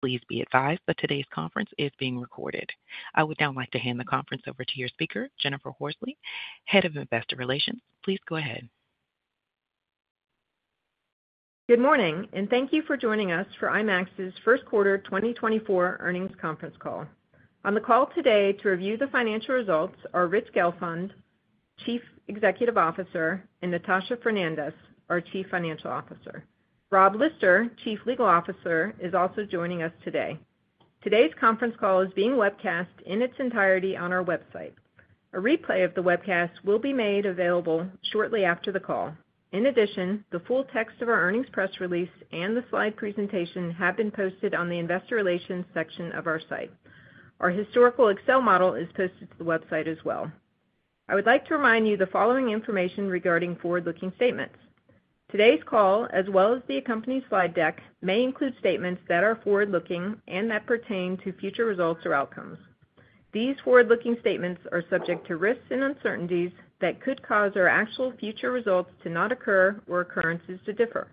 Please be advised that today's conference is being recorded. I would now like to hand the conference over to your speaker, Jennifer Horsley, Head of Investor Relations. Please go ahead. Good morning, and thank you for joining us for IMAX's first quarter 2024 earnings conference call. On the call today to review the financial results are Rich Gelfond, Chief Executive Officer, and Natasha Fernandes, our Chief Financial Officer. Rob Lister, Chief Legal Officer, is also joining us today. Today's conference call is being webcast in its entirety on our website. A replay of the webcast will be made available shortly after the call. In addition, the full text of our earnings press release and the slide presentation have been posted on the investor relations section of our site. Our historical Excel model is posted to the website as well. I would like to remind you the following information regarding forward-looking statements. Today's call, as well as the accompanying slide deck, may include statements that are forward-looking and that pertain to future results or outcomes. These forward-looking statements are subject to risks and uncertainties that could cause our actual future results to not occur or occurrences to differ.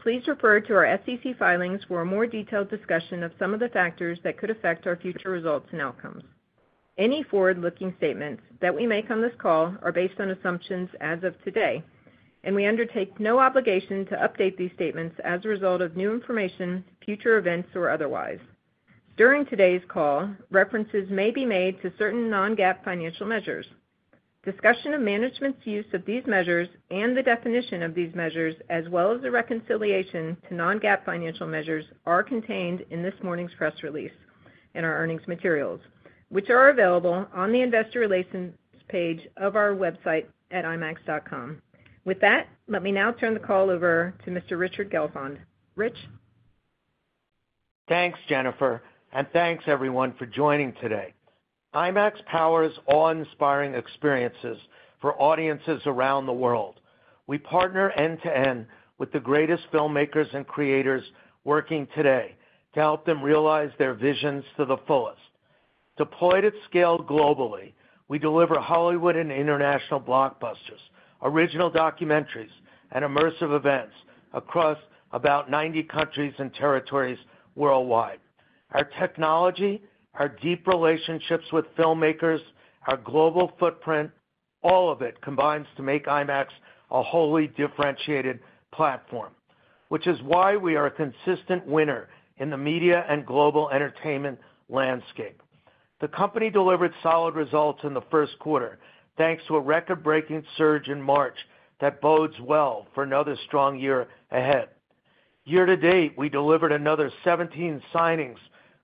Please refer to our SEC filings for a more detailed discussion of some of the factors that could affect our future results and outcomes. Any forward-looking statements that we make on this call are based on assumptions as of today, and we undertake no obligation to update these statements as a result of new information, future events, or otherwise. During today's call, references may be made to certain non-GAAP financial measures. Discussion of management's use of these measures and the definition of these measures, as well as the reconciliation to non-GAAP financial measures, are contained in this morning's press release and our earnings materials, which are available on the investor relations page of our website at imax.com. With that, let me now turn the call over to Mr. Richard Gelfond. Rich? Thanks, Jennifer, and thanks everyone for joining today. IMAX powers awe-inspiring experiences for audiences around the world. We partner end-to-end with the greatest filmmakers and creators working today to help them realize their visions to the fullest. Deployed at scale globally, we deliver Hollywood and international blockbusters, original documentaries, and immersive events across about 90 countries and territories worldwide. Our technology, our deep relationships with filmmakers, our global footprint, all of it combines to make IMAX a wholly differentiated platform, which is why we are a consistent winner in the media and global entertainment landscape. The company delivered solid results in the first quarter, thanks to a record-breaking surge in March that bodes well for another strong year ahead. Year to date, we delivered another 17 signings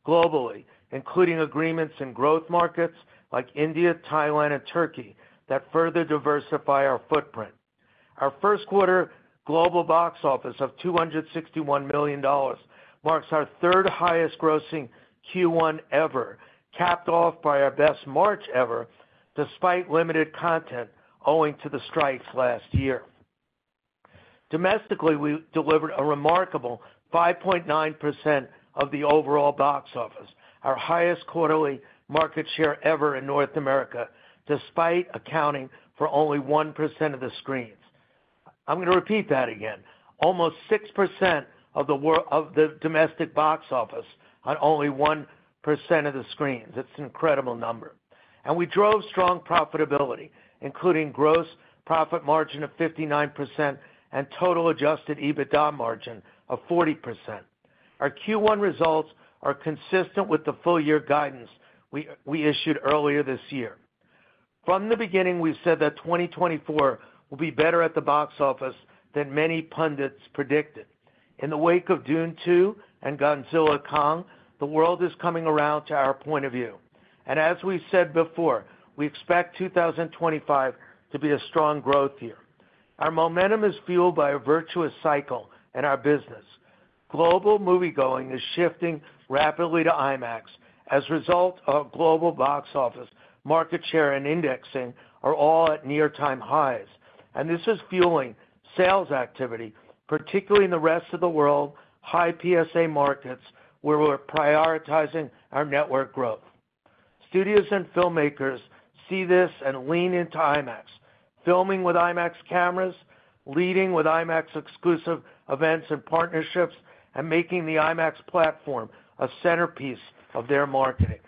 globally, including agreements in growth markets like India, Thailand, and Turkey that further diversify our footprint. Our first quarter global box office of $261 million marks our third highest grossing Q1 ever, capped off by our best March ever, despite limited content owing to the strikes last year. Domestically, we delivered a remarkable 5.9% of the overall box office, our highest quarterly market share ever in North America, despite accounting for only 1% of the screens. I'm gonna repeat that again. Almost 6% of the domestic box office on only 1% of the screens. It's an incredible number. And we drove strong profitability, including gross profit margin of 59% and total Adjusted EBITDA margin of 40%. Our Q1 results are consistent with the full year guidance we issued earlier this year. From the beginning, we've said that 2024 will be better at the box office than many pundits predicted. In the wake of Dune: Part Two and Godzilla x Kong, the world is coming around to our point of view, and as we said before, we expect 2025 to be a strong growth year. Our momentum is fueled by a virtuous cycle in our business. Global moviegoing is shifting rapidly to IMAX as a result of global box office, market share, and indexing are all at near-term highs. This is fueling sales activity, particularly in the rest of the world, high PSA markets, where we're prioritizing our network growth. Studios and filmmakers see this and lean into IMAX, filming with IMAX cameras, leading with IMAX exclusive events and partnerships, and making the IMAX platform a centerpiece of their marketing.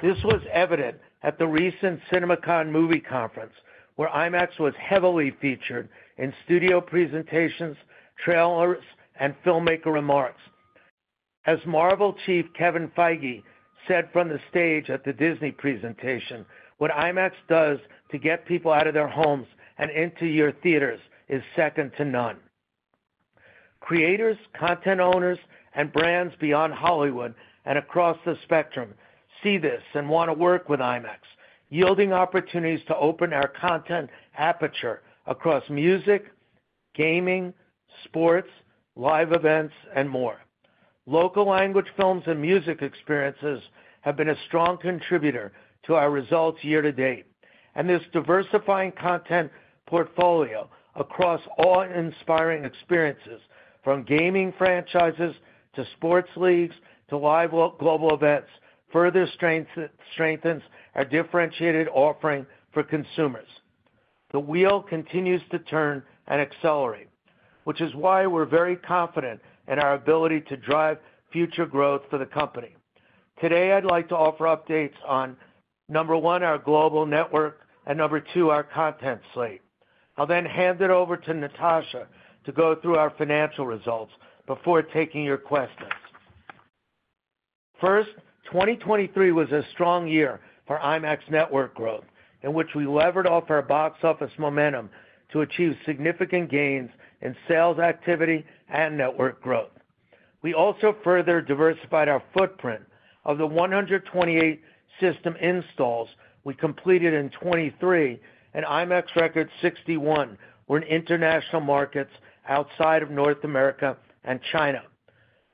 This was evident at the recent CinemaCon movie conference, where IMAX was heavily featured in studio presentations, trailers, and filmmaker remarks. As Marvel chief Kevin Feige said from the stage at the Disney presentation, "What IMAX does to get people out of their homes and into your theaters is second to none." Creators, content owners, and brands beyond Hollywood and across the spectrum see this and want to work with IMAX, yielding opportunities to open our content aperture across music, gaming, sports, live events, and more. Local language films and music experiences have been a strong contributor to our results year to date, and this diversifying content portfolio across awe and inspiring experiences, from gaming franchises to sports leagues to live global events, further strengthens our differentiated offering for consumers. The wheel continues to turn and accelerate, which is why we're very confident in our ability to drive future growth for the company. Today, I'd like to offer updates on, one, our global network, and two, our content slate. I'll then hand it over to Natasha to go through our financial results before taking your questions. First, 2023 was a strong year for IMAX network growth, in which we levered off our box office momentum to achieve significant gains in sales activity and network growth. We also further diversified our footprint. Of the 128 system installs we completed in 2023, an IMAX record 61 were in international markets outside of North America and China.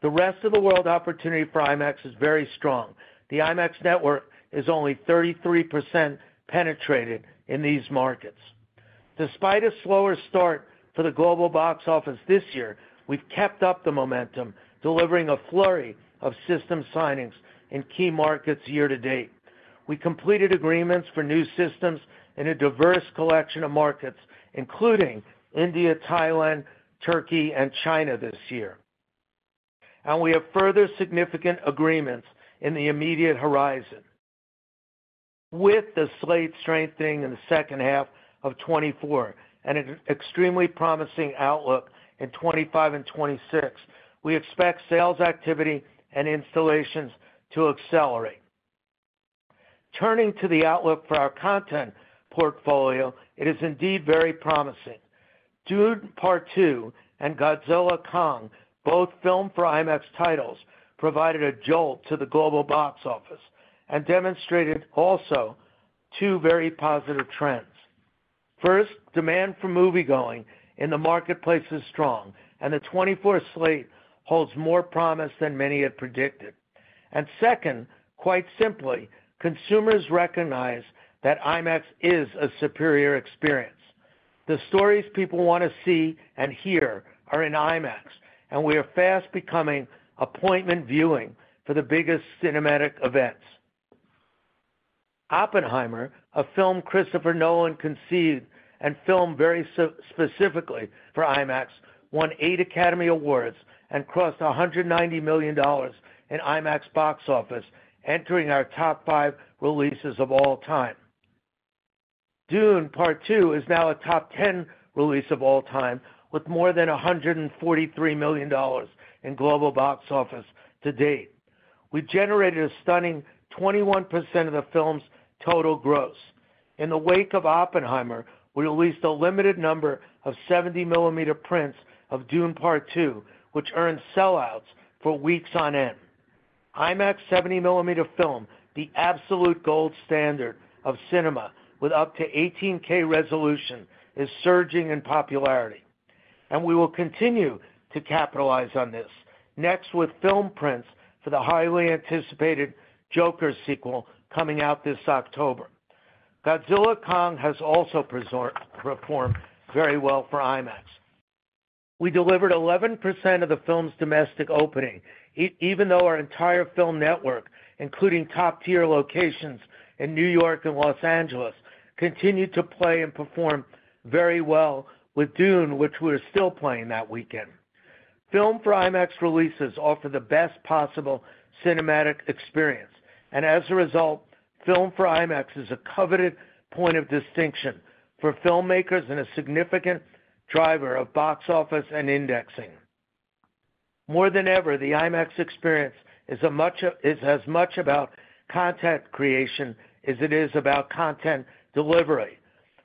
The rest of the world opportunity for IMAX is very strong. The IMAX network is only 33% penetrated in these markets. Despite a slower start for the global box office this year, we've kept up the momentum, delivering a flurry of system signings in key markets year-to-date. We completed agreements for new systems in a diverse collection of markets, including India, Thailand, Turkey and China this year. We have further significant agreements in the immediate horizon. With the slate strengthening in the second half of 2024 and an extremely promising outlook in 2025 and 2026, we expect sales activity and installations to accelerate. Turning to the outlook for our content portfolio, it is indeed very promising. Dune: Part Two and Godzilla x Kong, both filmed for IMAX titles, provided a jolt to the global box office and demonstrated also two very positive trends. First, demand for moviegoing in the marketplace is strong, and the 2024 slate holds more promise than many had predicted. Second, quite simply, consumers recognize that IMAX is a superior experience. The stories people want to see and hear are in IMAX, and we are fast becoming appointment viewing for the biggest cinematic events. Oppenheimer, a film Christopher Nolan conceived and filmed very specifically for IMAX, won eight Academy Awards and crossed $190 million in IMAX box office, entering our top five releases of all time. Dune: Part Two is now a top ten release of all time, with more than $143 million in global box office to date. We've generated a stunning 21% of the film's total gross. In the wake of Oppenheimer, we released a limited number of 70mm prints of Dune: Part Two, which earned sellouts for weeks on end. IMAX 70mm film, the absolute gold standard of cinema with up to 18K resolution, is surging in popularity, and we will continue to capitalize on this. Next, with film prints for the highly anticipated Joker sequel coming out this October. Godzilla x Kong has also pre-sold performed very well for IMAX. We delivered 11% of the film's domestic opening, even though our entire film network, including top-tier locations in New York and Los Angeles, continued to play and perform very well with Dune, which we're still playing that weekend. Filmed for IMAX releases offer the best possible cinematic experience, and as a result, Filmed for IMAX is a coveted point of distinction for filmmakers and a significant driver of box office and indexing. More than ever, the IMAX experience is as much about content creation as it is about content delivery.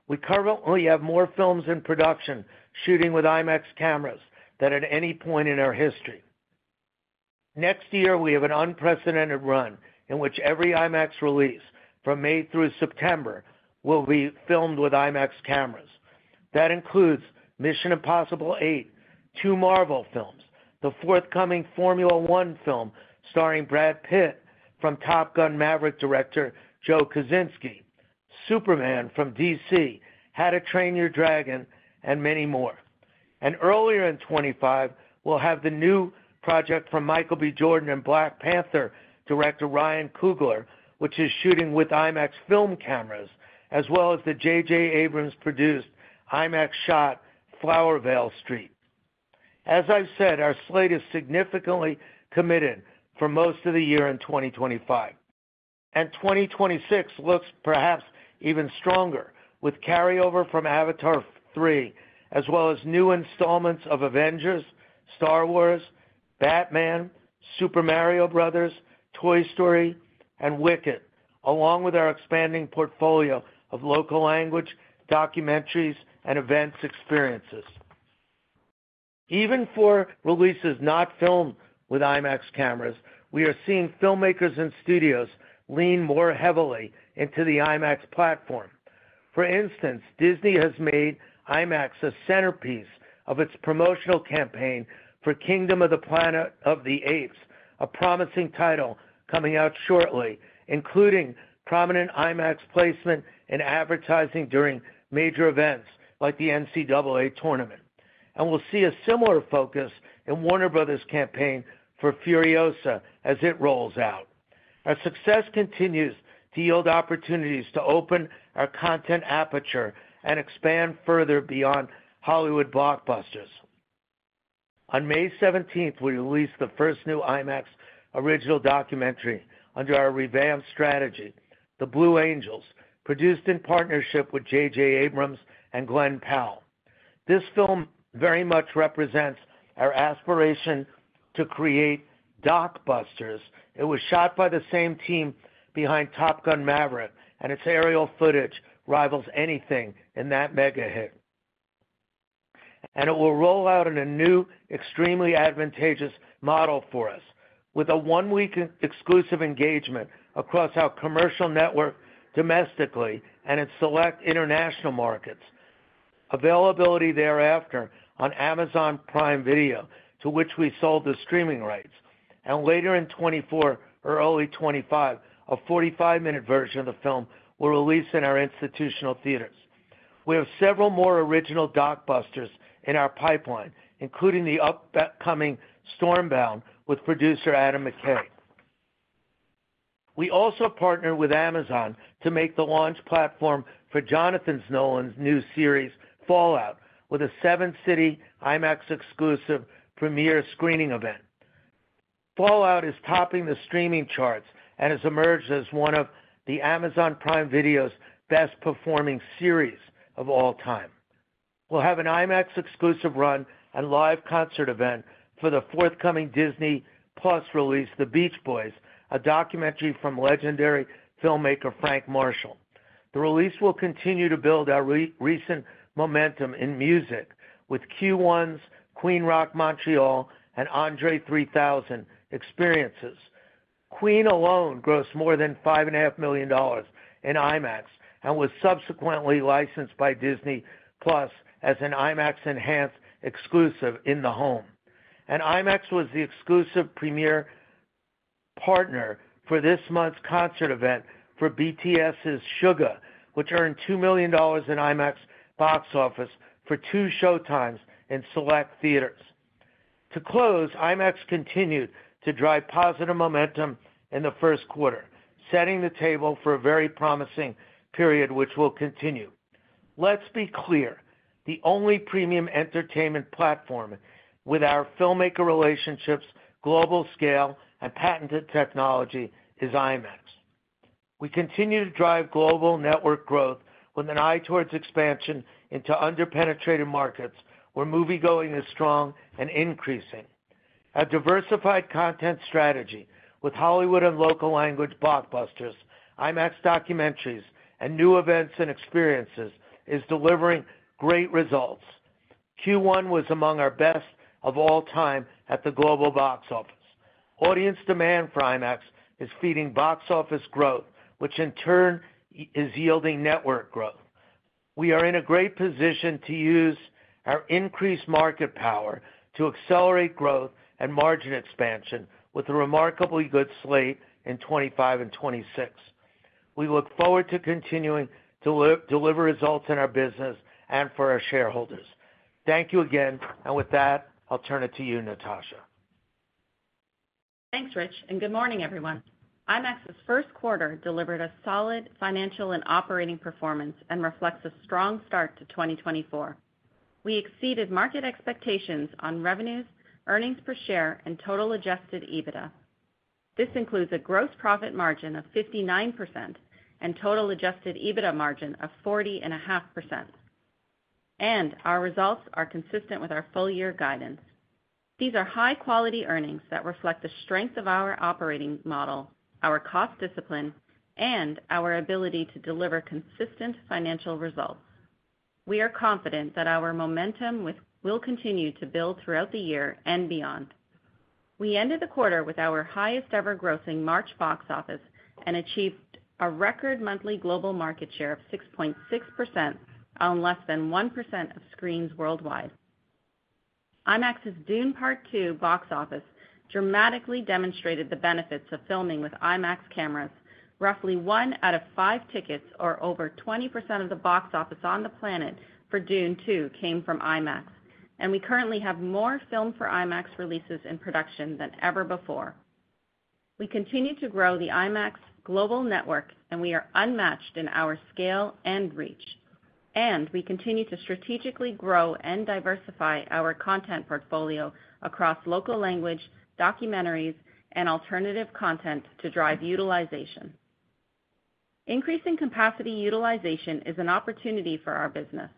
We currently have more films in production shooting with IMAX cameras than at any point in our history. Next year, we have an unprecedented run in which every IMAX release from May through September will be filmed with IMAX cameras. That includes Mission: Impossible eight, two Marvel films, the forthcoming Formula One film starring Brad Pitt from Top Gun: Maverick director Joe Kosinski, Superman from DC, How to Train Your Dragon, and many more. Earlier in 2025, we'll have the new project from Michael B. Jordan and Black Panther director Ryan Coogler, which is shooting with IMAX film cameras, as well as the J.J. Abrams-produced, IMAX-shot Flowervale Street. As I've said, our slate is significantly committed for most of the year in 2025, and 2026 looks perhaps even stronger, with carryover from Avatar 3, as well as new installments of Avengers, Star Wars, Batman, Super Mario Bros., Toy Story, and Wicked, along with our expanding portfolio of local language, documentaries, and events experiences. Even for releases not filmed with IMAX cameras, we are seeing filmmakers and studios lean more heavily into the IMAX platform. For instance, Disney has made IMAX a centerpiece of its promotional campaign for Kingdom of the Planet of the Apes, a promising title coming out shortly, including prominent IMAX placement in advertising during major events like the NCAA tournament. We'll see a similar focus in Warner Bros.' campaign for Furiosa as it rolls out. Our success continues to yield opportunities to open our content aperture and expand further beyond Hollywood blockbusters. On May seventeenth, we released the first new IMAX original documentary under our revamped strategy, The Blue Angels, produced in partnership with J.J. Abrams and Glenn Powell. This film very much represents our aspiration to create doc busters. It was shot by the same team behind Top Gun: Maverick, and its aerial footage rivals anything in that mega hit. It will roll out in a new, extremely advantageous model for us, with a one-week exclusive engagement across our commercial network domestically and in select international markets. Availability thereafter on Amazon Prime Video, to which we sold the streaming rights, and later in 2024 or early 2025, a 45 minute version of the film will release in our institutional theaters. We have several more original doc busters in our pipeline, including the upcoming Stormbound with producer Adam McKay. We also partnered with Amazon to make the launch platform for Jonathan Nolan's new series, Fallout, with a seven city IMAX exclusive premiere screening event. Fallout is topping the streaming charts and has emerged as one of the Amazon Prime Video's best-performing series of all time. We'll have an IMAX exclusive run and live concert event for the forthcoming Disney+ release, The Beach Boys, a documentary from legendary filmmaker Frank Marshall. The release will continue to build our recent momentum in music with Q1's Queen Rock Montreal and André 3000 experiences. Queen alone grossed more than $5.5 million in IMAX and was subsequently licensed by Disney+ as an IMAX Enhanced exclusive in the home. IMAX was the exclusive premiere partner for this month's concert event for BTS's Suga, which earned $2 million in IMAX box office for two showtimes in select theaters. To close, IMAX continued to drive positive momentum in the first quarter, setting the table for a very promising period, which will continue. Let's be clear, the only premium entertainment platform with our filmmaker relationships, global scale, and patented technology is IMAX. We continue to drive global network growth with an eye towards expansion into under-penetrated markets, where moviegoing is strong and increasing. Our diversified content strategy with Hollywood and local language blockbusters, IMAX documentaries, and new events and experiences, is delivering great results. Q1 was among our best of all time at the global box office. Audience demand for IMAX is feeding box office growth, which in turn, is yielding network growth. We are in a great position to use our increased market power to accelerate growth and margin expansion with a remarkably good slate in 2025 and 2026. We look forward to continuing to deliver results in our business and for our shareholders. Thank you again, and with that, I'll turn it to you, Natasha. Thanks, Rich, and good morning, everyone. IMAX's first quarter delivered a solid financial and operating performance and reflects a strong start to 2024. We exceeded market expectations on revenues, earnings per share, and total adjusted EBITDA. This includes a gross profit margin of 59% and total adjusted EBITDA margin of 40.5%, and our results are consistent with our full-year guidance. These are high-quality earnings that reflect the strength of our operating model, our cost discipline, and our ability to deliver consistent financial results. We are confident that our momentum will continue to build throughout the year and beyond. We ended the quarter with our highest-ever grossing March box office and achieved a record monthly global market share of 6.6% on less than 1% of screens worldwide. IMAX's Dune: Part Two box office dramatically demonstrated the benefits of filming with IMAX cameras. Roughly one out of five tickets, or over 20% of the box office on the planet for Dune Two, came from IMAX, and we currently have more film for IMAX releases in production than ever before. We continue to grow the IMAX global network, and we are unmatched in our scale and reach, and we continue to strategically grow and diversify our content portfolio across local language, documentaries, and alternative content to drive utilization. Increasing capacity utilization is an opportunity for our business.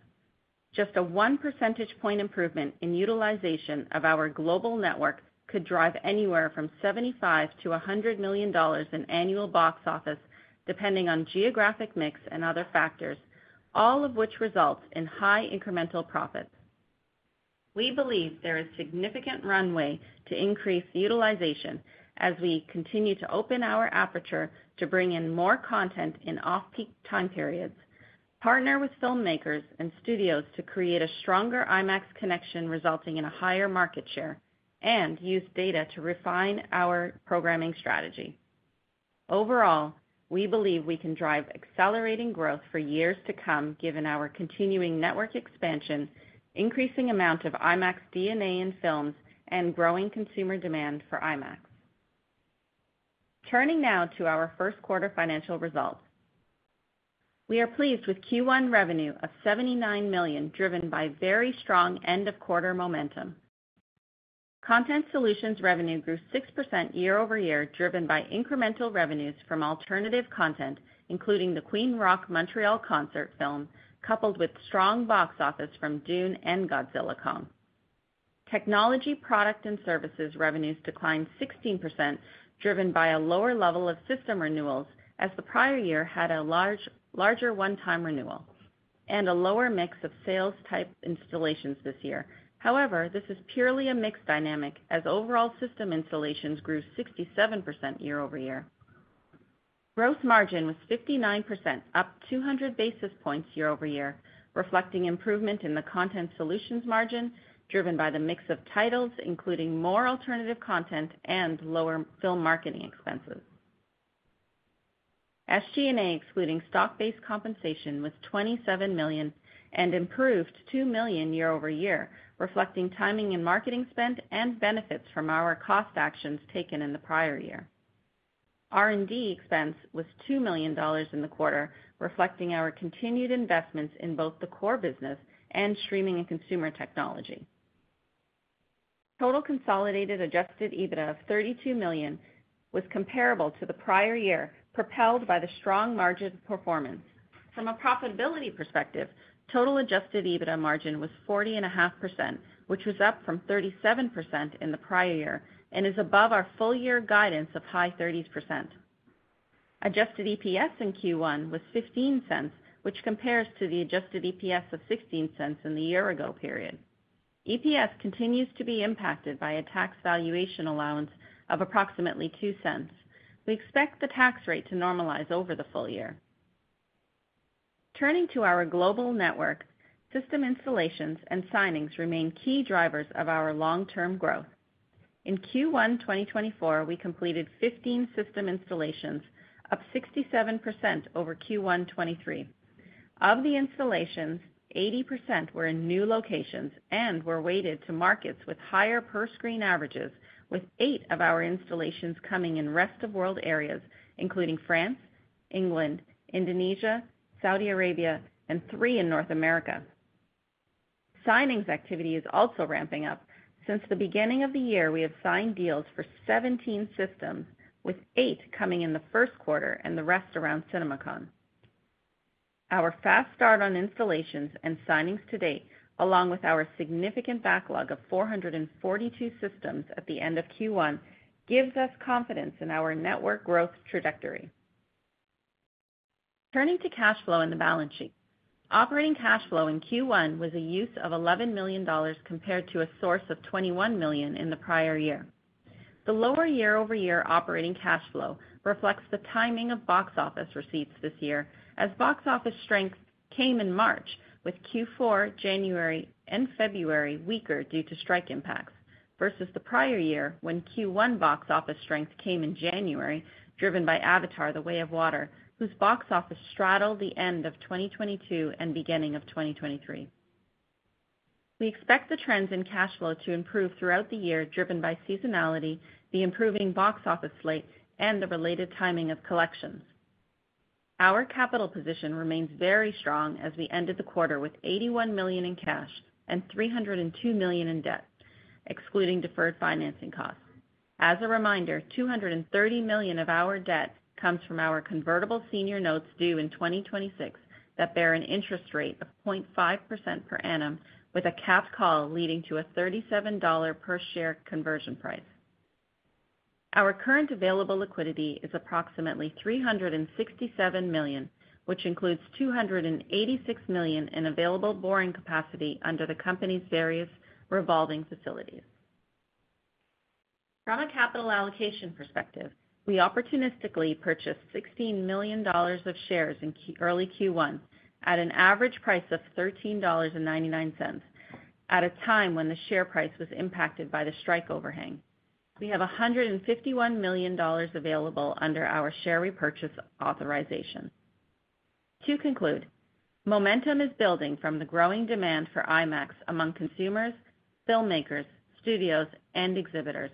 Just a 1 percentage point improvement in utilization of our global network could drive anywhere from $75 million-$100 million in annual box office, depending on geographic mix and other factors, all of which results in high incremental profits. We believe there is significant runway to increase utilization as we continue to open our aperture to bring in more content in off-peak time periods, partner with filmmakers and studios to create a stronger IMAX connection, resulting in a higher market share, and use data to refine our programming strategy. We believe we can drive accelerating growth for years to come, given our continuing network expansion, increasing amount of IMAX DNA in films, and growing consumer demand for IMAX. Turning now to our first quarter financial results. We are pleased with Q1 revenue of $79 million, driven by very strong end-of-quarter momentum. Content solutions revenue grew 6% year-over-year, driven by incremental revenues from alternative content, including the Queen Rock Montreal concert film, coupled with strong box office from Dune and Godzilla x Kong. Technology, product and services revenues declined 16%, driven by a lower level of system renewals as the prior year had a larger one-time renewal and a lower mix of sales-type installations this year. However, this is purely a mixed dynamic, as overall system installations grew 67% year-over-year. Gross margin was 59%, up 200 basis points year-over-year, reflecting improvement in the content solutions margin, driven by the mix of titles, including more alternative content and lower film marketing expenses. SG&A, excluding stock-based compensation, was $27 million and improved $2 million year-over-year, reflecting timing and marketing spend and benefits from our cost actions taken in the prior year. R&D expense was $2 million in the quarter, reflecting our continued investments in both the core business and streaming and consumer technology. Total consolidated adjusted EBITDA of $32 million was comparable to the prior year, propelled by the strong margin performance. From a profitability perspective, total adjusted EBITDA margin was 40.5%, which was up from 37% in the prior year and is above our full-year guidance of high 30s%. Adjusted EPS in Q1 was $0.15, which compares to the adjusted EPS of $0.16 in the year ago period. EPS continues to be impacted by a tax valuation allowance of approximately $0.02. We expect the tax rate to normalize over the full year. Turning to our global network, system installations and signings remain key drivers of our long-term growth. In Q1 2024, we completed 15 system installations, up 67% over Q1 2023. Of the installations, 80% were in new locations and were weighted to markets with higher per-screen averages, with 8 of our installations coming in rest-of-world areas, including France, England, Indonesia, Saudi Arabia, and 3 in North America. Signings activity is also ramping up. Since the beginning of the year, we have signed deals for 17 systems, with eight coming in the first quarter and the rest around CinemaCon. Our fast start on installations and signings to date, along with our significant backlog of 442 systems at the end of Q1, gives us confidence in our network growth trajectory. Turning to cash flow and the balance sheet. Operating cash flow in Q1 was a use of $11 million, compared to a source of $21 million in the prior year. The lower year-over-year operating cash flow reflects the timing of box office receipts this year, as box office strength came in March, with Q4, January and February weaker due to strike impacts, versus the prior year, when Q1 box office strength came in January, driven by Avatar: The Way of Water, whose box office straddled the end of 2022 and beginning of 2023. We expect the trends in cash flow to improve throughout the year, driven by seasonality, the improving box office slate, and the related timing of collections. Our capital position remains very strong as we ended the quarter with $81 million in cash and $302 million in debt, excluding deferred financing costs. As a reminder, $230 million of our debt comes from our convertible senior notes due in 2026 that bear an interest rate of 0.5% per annum, with a capped call leading to a $37 per share conversion price. Our current available liquidity is approximately $367 million, which includes $286 million in available borrowing capacity under the company's various revolving facilities. From a capital allocation perspective, we opportunistically purchased $16 million of shares in early Q1 at an average price of $13.99, at a time when the share price was impacted by the strike overhang. We have $151 million available under our share repurchase authorization. To conclude, momentum is building from the growing demand for IMAX among consumers, filmmakers, studios, and exhibitors.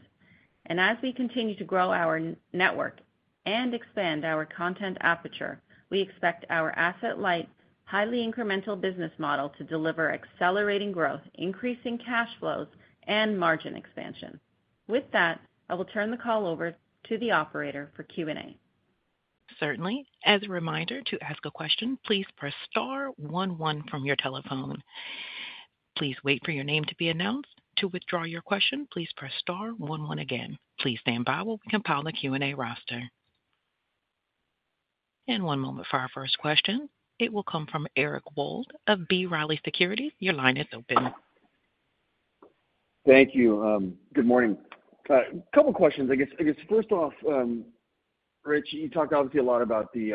As we continue to grow our network and expand our content aperture, we expect our asset-light, highly incremental business model to deliver accelerating growth, increasing cash flows, and margin expansion. With that, I will turn the call over to the operator for Q&A. Certainly. As a reminder, to ask a question, please press star one one from your telephone. Please wait for your name to be announced. To withdraw your question, please Press Star one one again. Please stand by while we compile the Q&A roster. One moment for our first question. It will come from Eric Wold of B. Riley Securities. Your line is open. Thank you. Good morning. A couple questions, I guess. I guess first off, Rich, you talked obviously a lot about the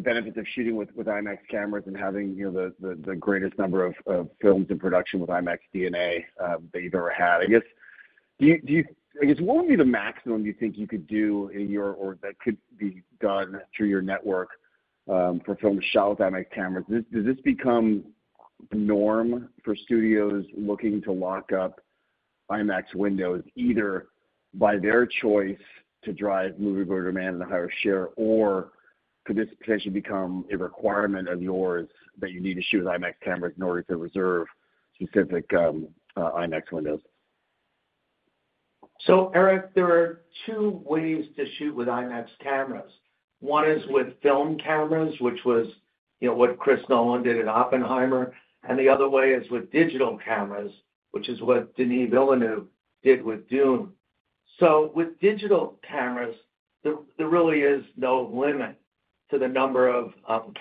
benefits of shooting with IMAX cameras and having, you know, the greatest number of films in production with IMAX DNA that you've ever had. I guess, do you—I guess, what would be the maximum you think you could do in your, or that could be done through your network, for films shot with IMAX cameras? Does this become the norm for studios looking to lock up IMAX windows, either by their choice to drive moviegoer demand and a higher share? Or could this potentially become a requirement of yours that you need to shoot with IMAX cameras in order to reserve specific IMAX windows? So Eric, there are two ways to shoot with IMAX cameras. One is with film cameras, which was, you know, what Chris Nolan did in Oppenheimer, and the other way is with digital cameras, which is what Denis Villeneuve did with Dune. So with digital cameras, there really is no limit to the number of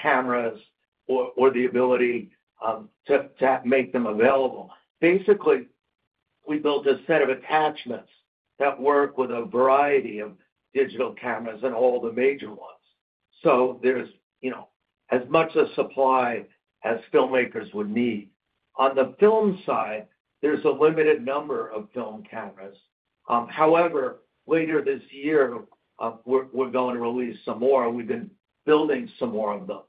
cameras or the ability to make them available. Basically, we built a set of attachments that work with a variety of digital cameras and all the major ones. So there's, you know, as much a supply as filmmakers would need. On the film side, there's a limited number of film cameras. However, later this year, we're going to release some more. We've been building some more of them.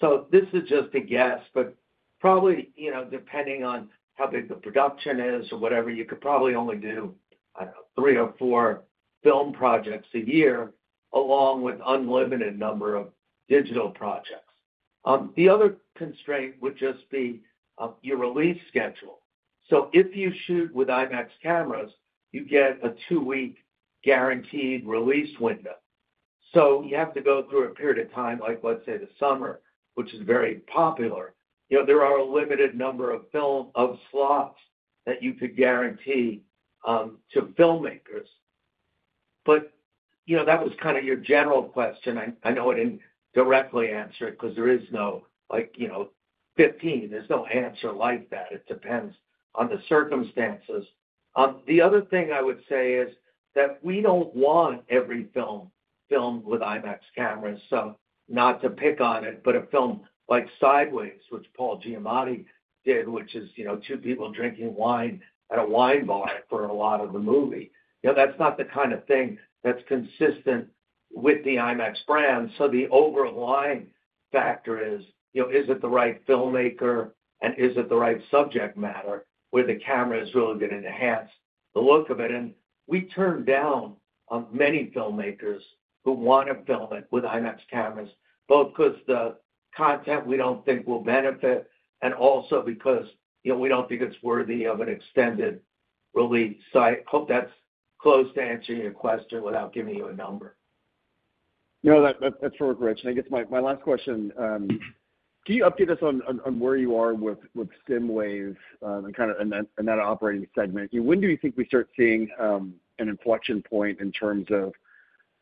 So this is just a guess, but probably, you know, depending on how big the production is or whatever, you could probably only do, I don't know, three or four film projects a year, along with unlimited number of digital projects. The other constraint would just be your release schedule. So if you shoot with IMAX cameras, you get a two week guaranteed release window. So you have to go through a period of time, like, let's say, the summer, which is very popular. You know, there are a limited number of film slots that you could guarantee to filmmakers. But, you know, that was kind of your general question. I know I didn't directly answer it because there is no like, you know, 15. There's no answer like that. It depends on the circumstances. The other thing I would say is that we don't want every film filmed with IMAX cameras. So not to pick on it, but a film like Sideways, which Paul Giamatti did, which is, you know, two people drinking wine at a wine bar for a lot of the movie, you know, that's not the kind of thing that's consistent with the IMAX brand. So the overriding factor is, you know, is it the right filmmaker and is it the right subject matter where the camera is really going to enhance the look of it? And we turn down many filmmakers who want to film it with IMAX cameras, both because the content we don't think will benefit and also because, you know, we don't think it's worthy of an extended release. So I hope that's close to answering your question without giving you a number. No, that's really rich. I guess my last question, can you update us on where you are with SSIMWAVE, and kind of in that operating segment? When do you think we start seeing an inflection point in terms of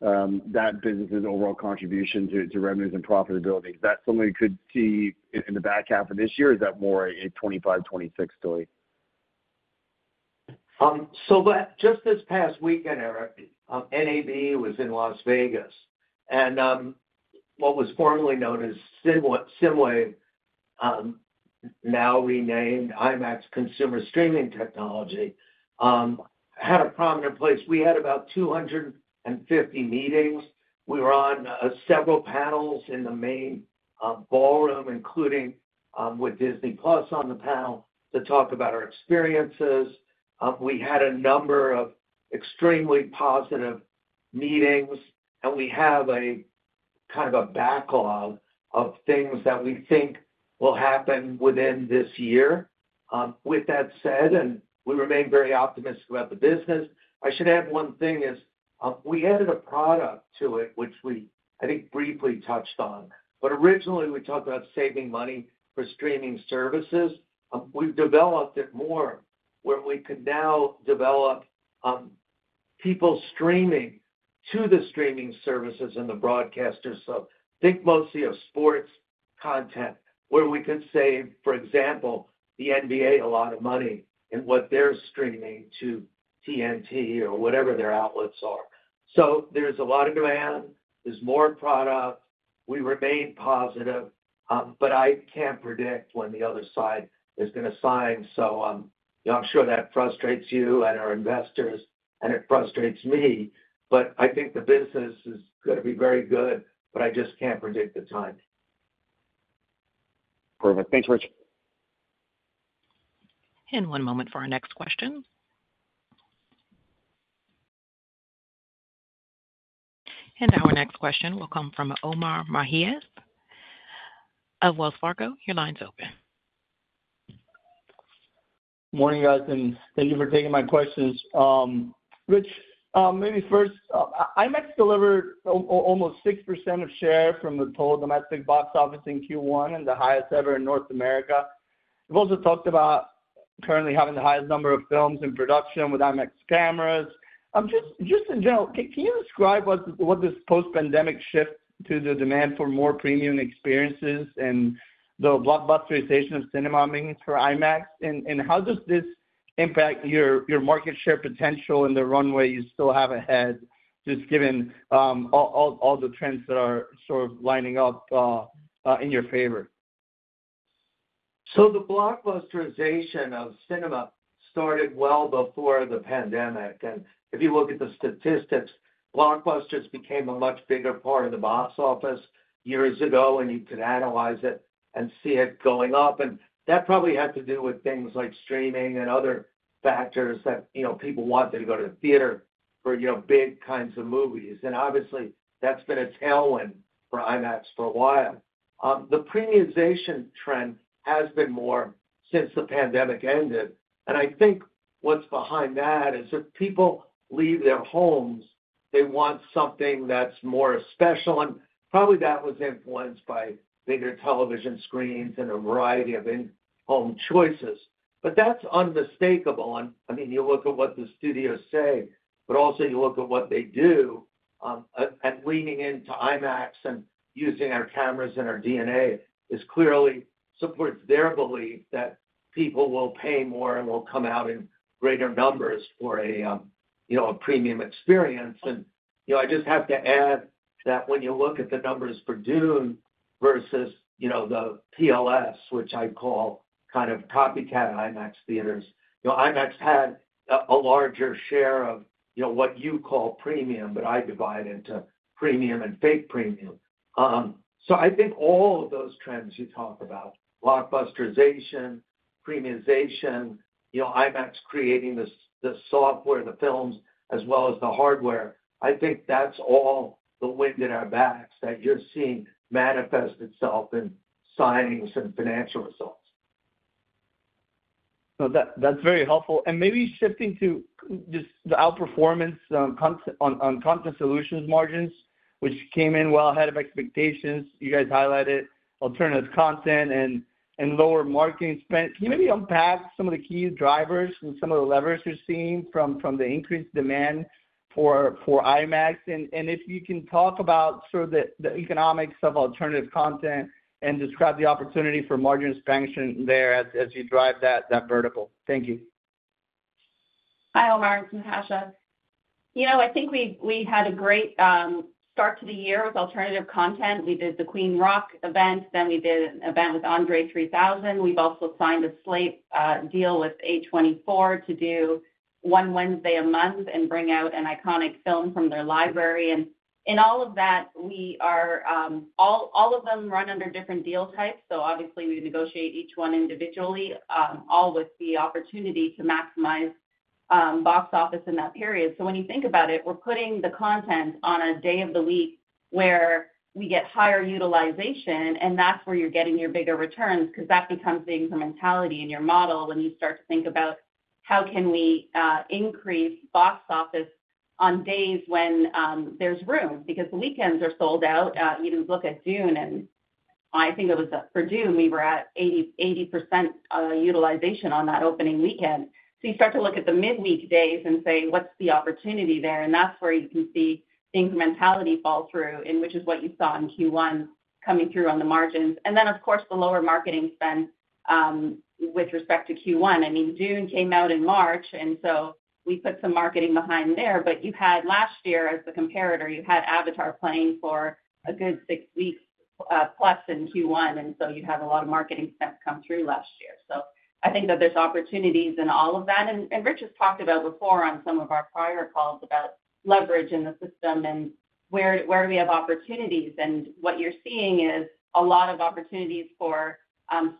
that business's overall contribution to revenues and profitability? Is that something we could see in the back half of this year, or is that more a 2025, 2026 story? Just this past weekend, Eric, NAB was in Las Vegas, and what was formerly known as SSIMWAVE, now renamed IMAX Consumer Streaming Technology, had a prominent place. We had about 250 meetings. We were on several panels in the main ballroom, including with Disney+ on the panel to talk about our experiences. We had a number of extremely positive meetings, and we have a kind of a backlog of things that we think will happen within this year. With that said, and we remain very optimistic about the business, I should add one thing is, we added a product to it, which we, I think, briefly touched on. But originally, we talked about saving money for streaming services. We've developed it more, where we could now develop people streaming to the streaming services and the broadcasters. So think mostly of sports content, where we could save, for example, the NBA, a lot of money in what they're streaming to TNT or whatever their outlets are. So there's a lot of demand. There's more product. We remain positive, but I can't predict when the other side is gonna sign. So, you know, I'm sure that frustrates you and our investors, and it frustrates me, but I think the business is gonna be very good, but I just can't predict the timing. Perfect. Thanks, Rich. One moment for our next question. Now our next question will come from Omar Mejias of Wells Fargo. Your line's open. Morning, guys, and thank you for taking my questions. Rich, maybe first, IMAX delivered almost 6% of share from the total domestic box office in Q1 and the highest ever in North America. We've also talked about currently having the highest number of films in production with IMAX cameras. Just in general, can you describe what this post-pandemic shift to the demand for more premium experiences and the blockbusterization of cinema means for IMAX? And how does this impact your market share potential and the runway you still have ahead, just given all the trends that are sort of lining up in your favor?... The blockbusterization of cinema started well before the pandemic. If you look at the statistics, blockbusters became a much bigger part of the box office years ago, and you could analyze it and see it going up. That probably had to do with things like streaming and other factors that, you know, people wanted to go to the theater for, you know, big kinds of movies. Obviously, that's been a tailwind for IMAX for a while. The premiumization trend has been more since the pandemic ended. I think what's behind that is if people leave their homes, they want something that's more special, and probably that was influenced by bigger television screens and a variety of in-home choices. But that's unmistakable, and, I mean, you look at what the studios say, but also you look at what they do, leaning into IMAX and using our cameras and our DNA, is clearly supports their belief that people will pay more and will come out in greater numbers for a, you know, a premium experience. And, you know, I just have to add that when you look at the numbers for Dune versus, you know, the PLS, which I call kind of copycat IMAX theaters, you know, IMAX had a larger share of, you know, what you call premium, but I divide into premium and fake premium. So, I think all of those trends you talk about, blockbusterization, premiumization, you know, IMAX creating this, the software, the films, as well as the hardware, I think that's all the wind in our backs that you're seeing manifest itself in signings and financial results. So, that's very helpful. And maybe shifting to just the outperformance on content solutions margins, which came in well ahead of expectations. You guys highlighted alternative content and lower marketing spend. Can you maybe unpack some of the key drivers and some of the levers you're seeing from the increased demand for IMAX? And if you can talk about sort of the economics of alternative content and describe the opportunity for margin expansion there as you drive that vertical. Thank you. Hi, Omar. It's Natasha. You know, I think we had a great start to the year with alternative content. We did the Queen Rock Montreal event, then we did an event with André 3000. We've also signed a slate deal with A24 to do one Wednesday a month and bring out an iconic film from their library. And in all of that, all of them run under different deal types, so obviously we negotiate each one individually, all with the opportunity to maximize box office in that period. So when you think about it, we're putting the content on a day of the week where we get higher utilization, and that's where you're getting your bigger returns, because that becomes the incrementality in your model when you start to think about how can we, increase box office on days when, there's room? Because the weekends are sold out. You look at Dune, and I think it was, for Dune, we were at 80, 80% utilization on that opening weekend. So you start to look at the midweek days and say, "What's the opportunity there?" And that's where you can see incrementality fall through, and which is what you saw in Q1 coming through on the margins. And then, of course, the lower marketing spend, with respect to Q1. I mean, Dune came out in March, and so we put some marketing behind there. But you had last year as the comparator, you had Avatar playing for a good six weeks, plus in Q1, and so you'd have a lot of marketing spend come through last year. So I think that there's opportunities in all of that. And Rich has talked about before on some of our prior calls about leverage in the system and where we have opportunities. And what you're seeing is a lot of opportunities for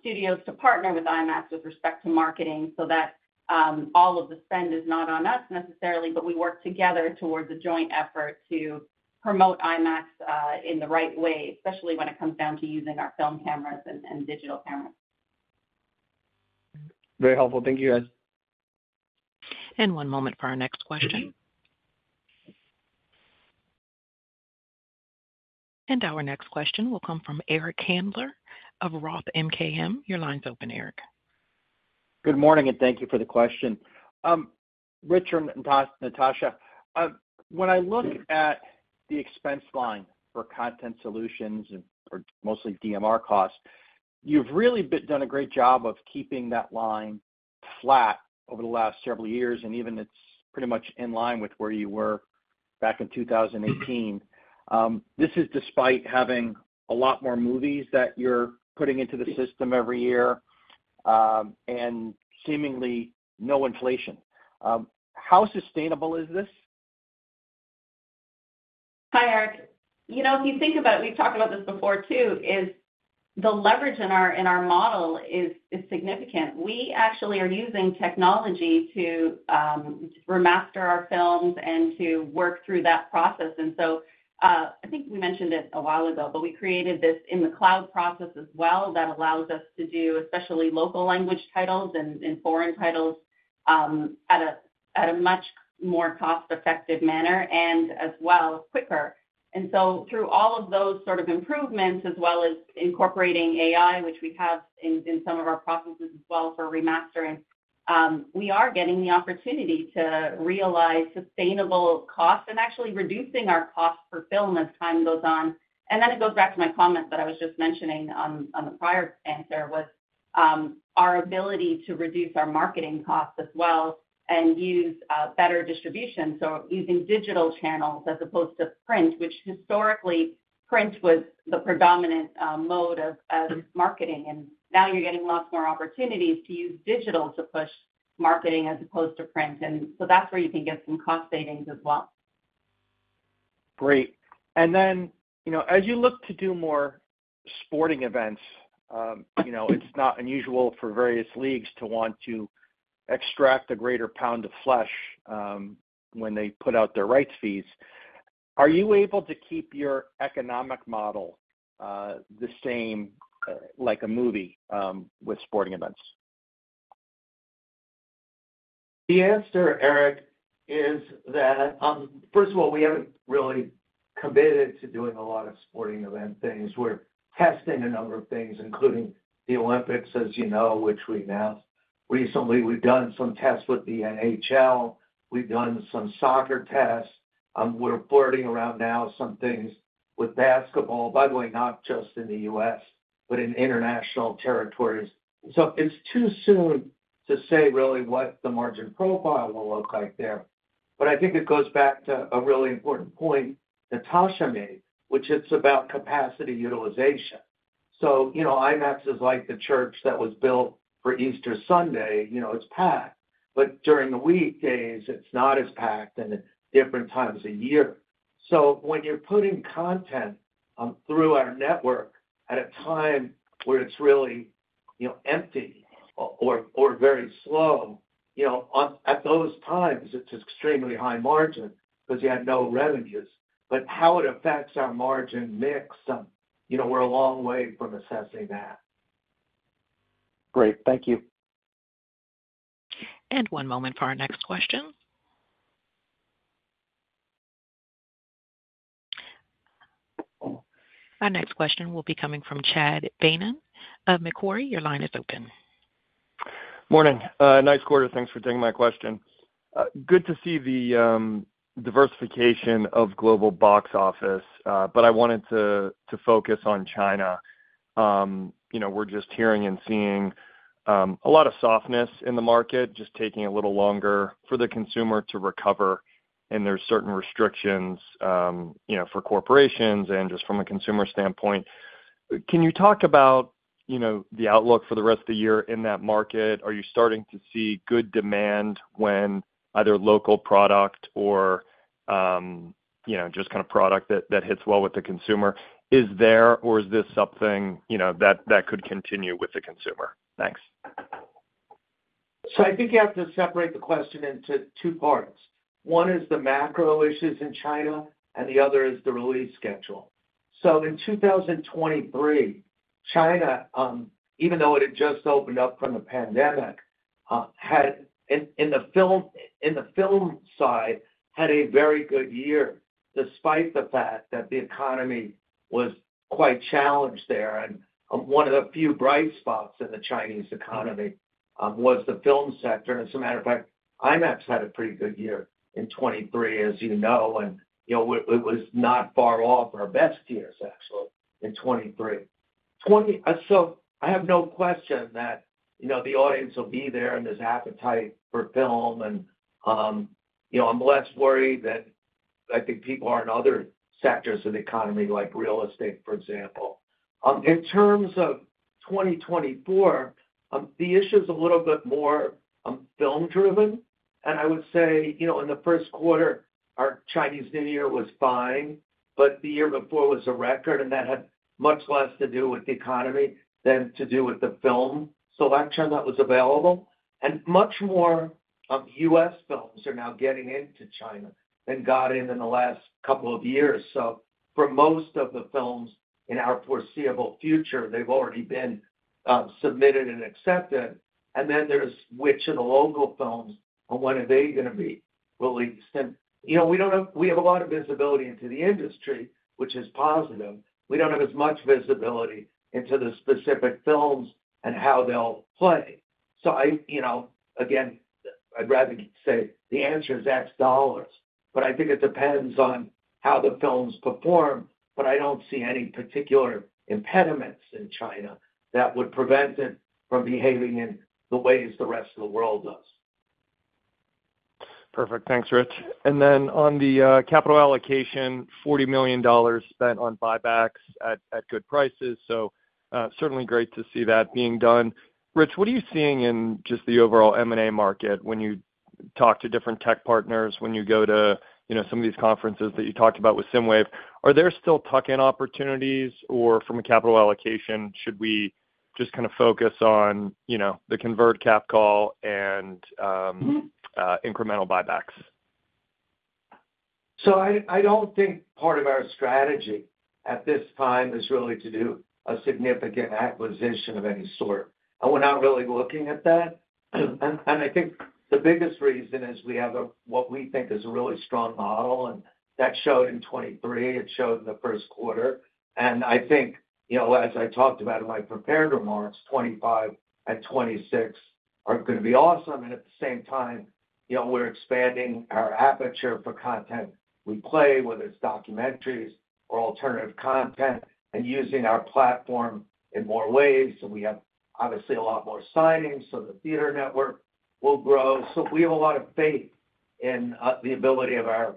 studios to partner with IMAX with respect to marketing, so that all of the spend is not on us necessarily, but we work together towards a joint effort to promote IMAX in the right way, especially when it comes down to using our film cameras and digital cameras. Very helpful. Thank you, guys. One moment for our next question. Our next question will come from Eric Handler of Roth MKM. Your line's open, Eric. Good morning, and thank you for the question. Richard and Natasha, when I look at the expense line for content solutions and or mostly DMR costs, you've really done a great job of keeping that line flat over the last several years, and even it's pretty much in line with where you were back in 2018. This is despite having a lot more movies that you're putting into the system every year, and seemingly no inflation. How sustainable is this? Hi, Eric. You know, if you think about it, we've talked about this before, too. The leverage in our model is significant. We actually are using technology to remaster our films and to work through that process. And so I think we mentioned it a while ago, but we created this in the cloud process as well, that allows us to do, especially local language titles and foreign titles, at a much more cost-effective manner and as well, quicker. And so through all of those sort of improvements, as well as incorporating AI, which we have in some of our processes as well for remastering, we are getting the opportunity to realize sustainable costs and actually reducing our costs per film as time goes on. Then it goes back to my comments that I was just mentioning on the prior answer, our ability to reduce our marketing costs as well and use better distribution. So using digital channels as opposed to print, which historically print was the predominant mode of marketing, and now you're getting lots more opportunities to use digital to push marketing as opposed to print. So that's where you can get some cost savings as well. Great. And then, you know, as you look to do more sporting events, you know, it's not unusual for various leagues to want to extract a greater pound of flesh, when they put out their rights fees. Are you able to keep your economic model, the same, like a movie, with sporting events? The answer, Eric, is that, first of all, we haven't really committed to doing a lot of sporting event things. We're testing a number of things, including the Olympics, as you know, which we announced recently. We've done some tests with the NHL. We've done some soccer tests. We're flirting around now some things with basketball, by the way, not just in the U.S. but in international territories. So it's too soon to say really what the margin profile will look like there. But I think it goes back to a really important point Natasha made, which it's about capacity utilization. So, you know, IMAX is like the church that was built for Easter Sunday, you know, it's packed, but during the weekdays, it's not as packed, and at different times a year. So when you're putting content through our network at a time where it's really, you know, empty or very slow, you know, at those times, it's extremely high margin because you have no revenues. But how it affects our margin mix, you know, we're a long way from assessing that. Great. Thank you. One moment for our next question. Our next question will be coming from Chad Beynon of Macquarie. Your line is open. Morning. Nice quarter. Thanks for taking my question. Good to see the diversification of global box office, but I wanted to focus on China. You know, we're just hearing and seeing a lot of softness in the market, just taking a little longer for the consumer to recover, and there's certain restrictions, you know, for corporations and just from a consumer standpoint. Can you talk about, you know, the outlook for the rest of the year in that market? Are you starting to see good demand when either local product or, you know, just kind of product that hits well with the consumer is there or is this something, you know, that could continue with the consumer? Thanks. So I think you have to separate the question into two parts. One is the macro issues in China, and the other is the release schedule. So in 2023, China, even though it had just opened up from the pandemic, had, in the film side, had a very good year, despite the fact that the economy was quite challenged there. And one of the few bright spots in the Chinese economy was the film sector. As a matter of fact, IMAX had a pretty good year in 2023, as you know, and, you know, it was not far off our best years, actually, in 2023. Twenty... So I have no question that, you know, the audience will be there and there's appetite for film and, you know, I'm less worried that I think people are in other sectors of the economy, like real estate, for example. In terms of 2024, the issue is a little bit more film-driven, and I would say, you know, in the first quarter, our Chinese New Year was fine, but the year before was a record, and that had much less to do with the economy than to do with the film selection that was available. And much more U.S. films are now getting into China than got in in the last couple of years. So for most of the films in our foreseeable future, they've already been submitted and accepted. Then there's which of the local films and when are they gonna be released? You know, we don't have - we have a lot of visibility into the industry, which is positive. We don't have as much visibility into the specific films and how they'll play. So I, you know, again, I'd rather say the answer is ask dollars, but I think it depends on how the films perform, but I don't see any particular impediments in China that would prevent it from behaving in the ways the rest of the world does. Perfect. Thanks, Rich. Then on the capital allocation, $40 million spent on buybacks at good prices, so certainly great to see that being done. Rich, what are you seeing in just the overall M&A market when you talk to different tech partners, when you go to, you know, some of these conferences that you talked about with SSIMWAVE? Are there still tuck-in opportunities, or from a capital allocation, should we just kind of focus on, you know, the convert cap call and Mm-hmm incremental buybacks? So I don't think part of our strategy at this time is really to do a significant acquisition of any sort, and we're not really looking at that. And I think the biggest reason is we have what we think is a really strong model, and that showed in 2023, it showed in the first quarter. And I think, you know, as I talked about in my prepared remarks, 2025 and 2026 are gonna be awesome, and at the same time, you know, we're expanding our aperture for content we play, whether it's documentaries or alternative content, and using our platform in more ways. So we have, obviously, a lot more signings, so the theater network will grow. So we have a lot of faith in the ability of our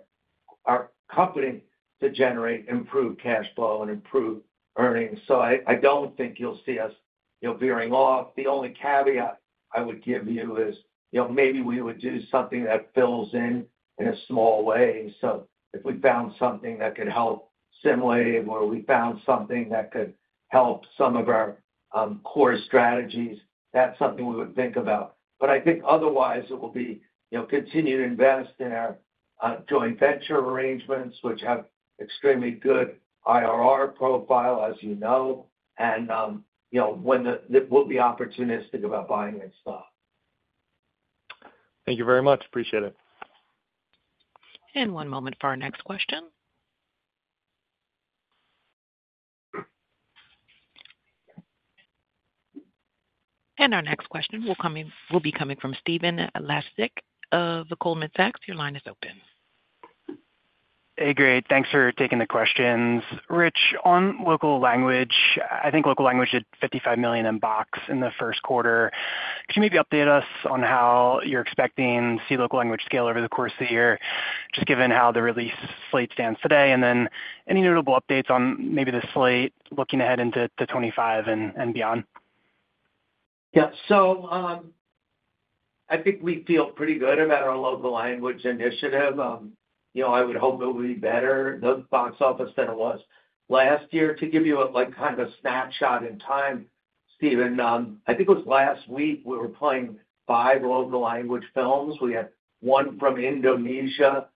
company to generate improved cash flow and improved earnings. So I don't think you'll see us, you know, veering off. The only caveat I would give you is, you know, maybe we would do something that fills in, in a small way. So if we found something that could help simulate, or we found something that could help some of our, core strategies, that's something we would think about. But I think otherwise, it will be, you know, continue to invest in our, joint venture arrangements, which have extremely good IRR profile, as you know, and, you know, we'll be opportunistic about buying and stuff. Thank you very much. Appreciate it. One moment for our next question. Our next question will be coming from Stephen Laszczyk of Goldman Sachs. Your line is open. Hey, great. Thanks for taking the questions. Rich, on local language, I think local language did $55 million in box office in the first quarter. Could you maybe update us on how you're expecting to see local language scale over the course of the year, just given how the release slate stands today? And then any notable updates on maybe the slate looking ahead into 2025 and beyond? Yeah. So, I think we feel pretty good about our local language initiative. You know, I would hope it will be better, the box office, than it was last year. To give you a, like, kind of a snapshot in time, Stephen, I think it was last week, we were playing five local language films. We had one from Indonesia,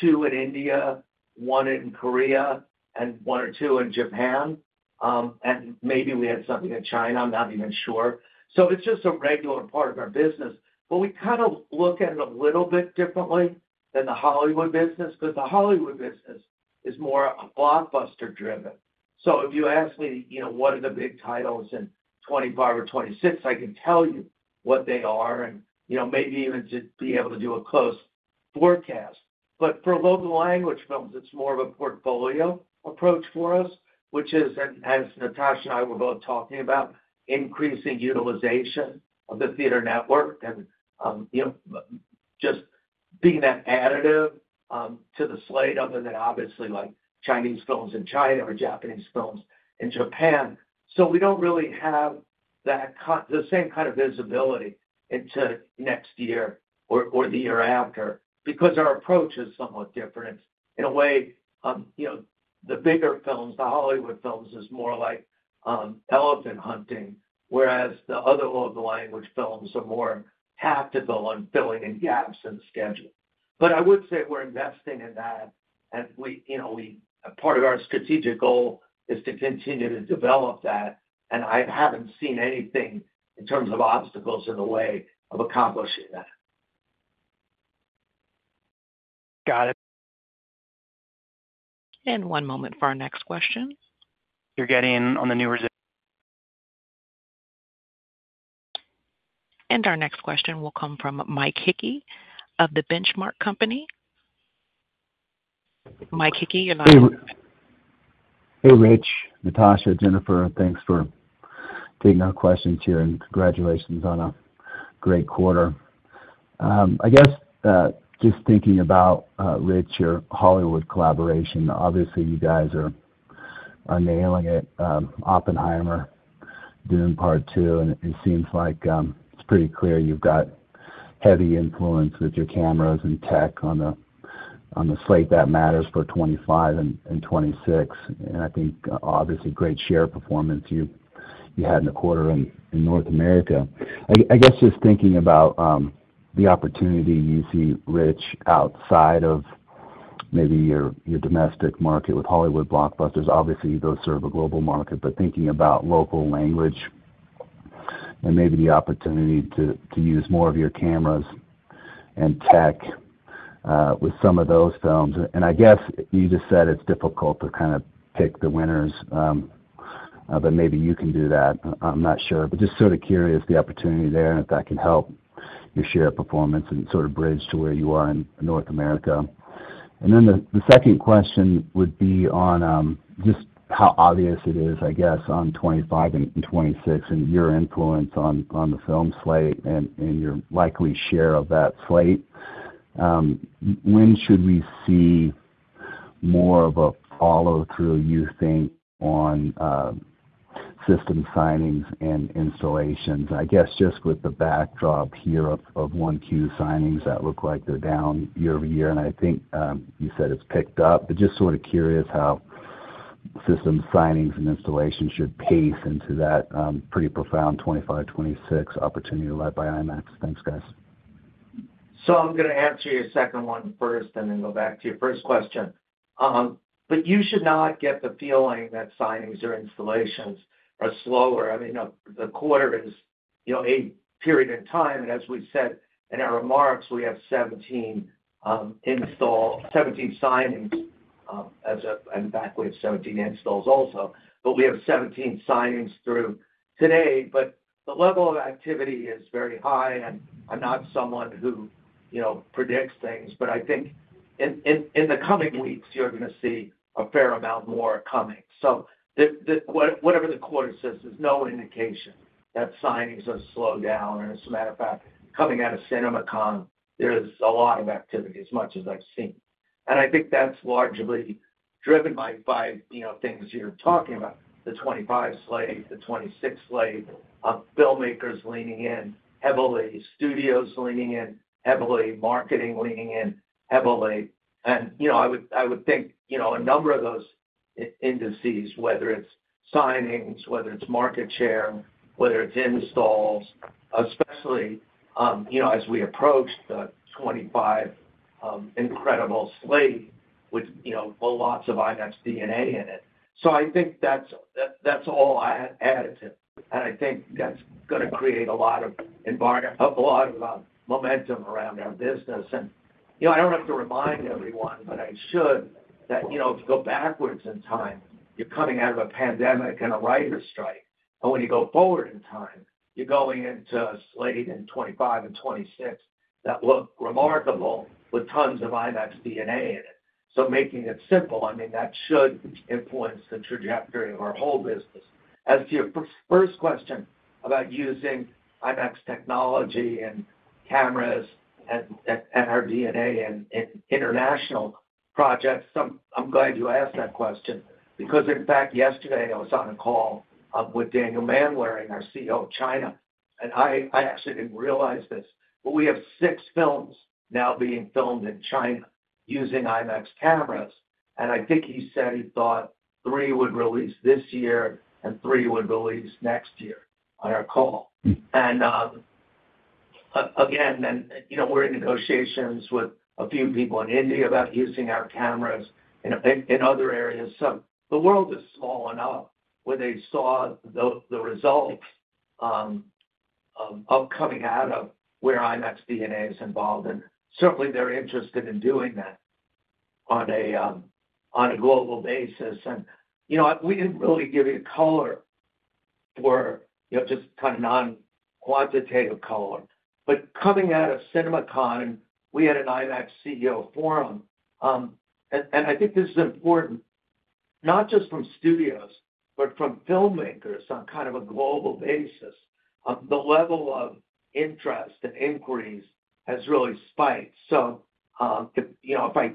two in India, one in Korea, and one or two in Japan. And maybe we had something in China, I'm not even sure. So it's just a regular part of our business. But we kind of look at it a little bit differently than the Hollywood business, because the Hollywood business is more a blockbuster driven. So if you ask me, you know, what are the big titles in 2025 or 2026, I can tell you what they are and, you know, maybe even just be able to do a close forecast. But for local language films, it's more of a portfolio approach for us, which is, as Natasha and I were both talking about, increasing utilization of the theater network and, you know, just being that additive to the slate, other than obviously, like Chinese films in China or Japanese films in Japan. So we don't really have that same kind of visibility into next year or the year after, because our approach is somewhat different. In a way, you know, the bigger films, the Hollywood films, is more like elephant hunting, whereas the other local language films are more tactical and filling in gaps in the schedule. But I would say we're investing in that, and we, you know, a part of our strategic goal is to continue to develop that, and I haven't seen anything in terms of obstacles in the way of accomplishing that. Got it. One moment for our next question. You're getting on the new res- Our next question will come from Mike Hickey of The Benchmark Company. Mike Hickey, your line is open. Hey, Rich, Natasha, Jennifer, thanks for taking our questions here, and congratulations on a great quarter. I guess just thinking about, Rich, your Hollywood collaboration, obviously, you guys are nailing it. Oppenheimer, Dune: Part Two, and it seems like it's pretty clear you've got heavy influence with your cameras and tech on the slate that matters for 2025 and 2026. I think, obviously, great share performance you had in the quarter in North America. I guess just thinking about the opportunity you see, Rich, outside of maybe your domestic market with Hollywood blockbusters. Obviously, those serve a global market, but thinking about local language and maybe the opportunity to use more of your cameras and tech with some of those films. I guess you just said it's difficult to kind of pick the winners, but maybe you can do that. I'm not sure. But just sort of curious the opportunity there, and if that can help your share performance and sort of bridge to where you are in North America. Then the second question would be on just how obvious it is, I guess, on 2025 and 2026 and your influence on the film slate and your likely share of that slate. When should we see more of a follow-through, you think, on system signings and installations? I guess just with the backdrop here of 1Q signings that look like they're down year-over-year, and I think you said it's picked up. Just sort of curious how system signings and installations should pace into that pretty profound 2025, 2026 opportunity led by IMAX? Thanks, guys. So I'm gonna answer your second one first and then go back to your first question. But you should not get the feeling that signings or installations are slower. I mean, the quarter is, you know, a period in time, and as we said in our remarks, we have 17 signings as of... In fact, we have 17 installs also. But we have 17 signings through today, but the level of activity is very high, and I'm not someone who, you know, predicts things, but I think in the coming weeks, you're gonna see a fair amount more coming. So whatever the quarter says, there's no indication that signings have slowed down, or as a matter of fact, coming out of CinemaCon, there's a lot of activity, as much as I've seen. And I think that's largely driven by, you know, things you're talking about, the 2025 slate, the 2026 slate, of filmmakers leaning in heavily, studios leaning in heavily, marketing leaning in heavily. And, you know, I would think, you know, a number of those indices, whether it's signings, whether it's market share, whether it's installs, especially, you know, as we approach the 2025 incredible slate with, you know, with lots of IMAX DNA in it. So I think that's all I add to, and I think that's gonna create a lot of momentum around our business. And, you know, I don't have to remind everyone, but I should, that, you know, if you go backwards in time, you're coming out of a pandemic and a writers' strike. But when you go forward in time, you're going into a slate in 2025 and 2026 that look remarkable, with tons of IMAX DNA in it. So making it simple, I mean, that should influence the trajectory of our whole business. As to your first question about using IMAX technology and cameras and our DNA in international projects, I'm glad you asked that question, because in fact, yesterday, I was on a call with Daniel Manwaring, our CEO of China, and I actually didn't realize this, but we have 6 films now being filmed in China using IMAX cameras. And I think he said he thought 3 would release this year and 3 would release next year, on our call. Again, you know, we're in negotiations with a few people in India about using our cameras in a big in other areas. So the world is small enough where they saw the results of coming out of where IMAX DNA is involved, and certainly, they're interested in doing that on a global basis. You know, we didn't really give you color or, you know, just kind of non-quantitative color. But coming out of CinemaCon, we had an IMAX CEO forum, and I think this is important, not just from studios, but from filmmakers on kind of a global basis, the level of interest and inquiries has really spiked. So, you know, if I